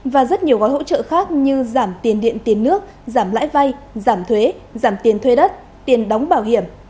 và rất nhiều gói hỗ trợ khác như giảm tiền điện tiền nước giảm lãi vay giảm thuế giảm tiền thuê đất tiền đóng bảo hiểm